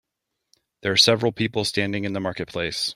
There are several people standing in the marketplace.